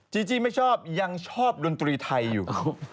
จีจี้ไม่ชอบยังชอบดนตรีไทยอยู่